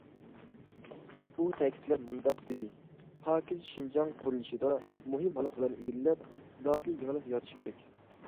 ئۇ تەكىتلەپ مۇنداق دېدى:‹‹ پاكىز شىنجاڭ›› قۇرۇلۇشىدا، مۇھىم ھالقىلارنى ئىگىلەپ، دادىل يېڭىلىق يارىتىش كېرەك.